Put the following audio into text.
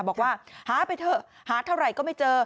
บอกว่าหาไปเถอะหาเท่าไหร่ก็ไม่เจอ